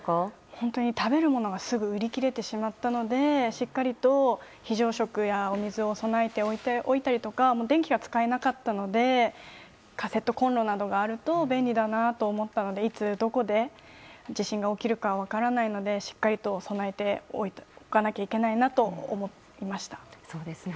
本当に食べるものがすぐ売り切れてしまったのでしっかりと非常食やお水を備えておいたりとか電気が使えなかったのでカセットコンロなどがあると便利だなと思ったのでいつ、どこで地震が起きるか分からないのでしっかりと備えておかなきゃいけないなと思いました。